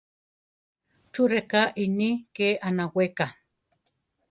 ¿Chú rʼeká iʼní ké anaweka?